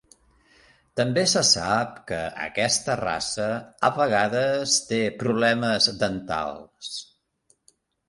També se sap que aquesta raça a vegades té problemes dentals.